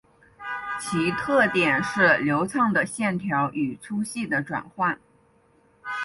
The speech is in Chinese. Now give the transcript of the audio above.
其特点是流畅的线条与粗细的转换。